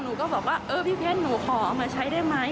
ก็บอกว่าเออพี่เพชรหนูขอเอามาใช้ได้ไหม